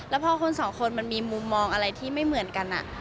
แล้วพอคนสองคนมันมีมุมมองอะไรที่ไม่เหมือนกัน